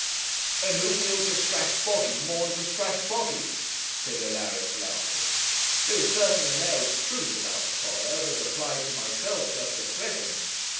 'And who will to Strathbogy maun to Strathbogy,' said Alaric, laughing; 'there is certainly an air of truth about the proverb as applied to myself just at present.